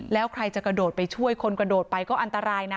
แล้วใครจะกระโดดไปช่วยคนกระโดดไปก็อันตรายนะ